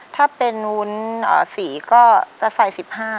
ถ้าเป็นวุ้น๔ก็จะใส่๑๕